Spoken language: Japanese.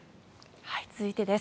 続いてです。